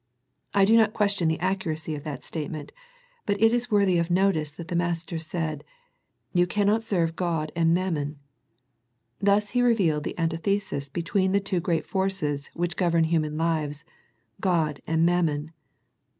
I do not question the accuracy of that statement, but it is worthy of notice that the Master said, " Ye cannot serve God and Mammon." Thus He revealed the antithesis between the two great forces which govern human lives, God and Mammon.